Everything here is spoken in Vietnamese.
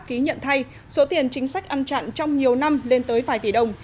ký nhận thay số tiền chính sách ăn chặn trong nhiều năm lên tới vài tỷ đồng